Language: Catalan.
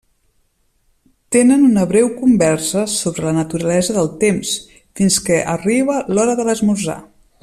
Tenen una breu conversa sobre la naturalesa del temps, fins que arriba l'hora de l'esmorzar.